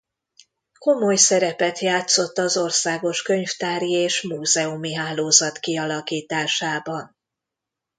Komoly szerepet játszott az országos könyvtári és múzeumi hálózat kialakításában.